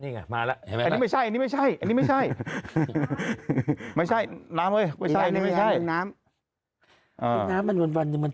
น้ำไม่พลาดอวกว่าน้ำ